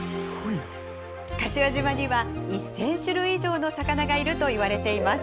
柏島には１，０００種類以上の魚がいるといわれています。